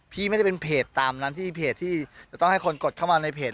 พี่ไม่ได้เป็นเพจตามนั้นที่เพจที่จะต้องให้คนกดเข้ามาในเพจ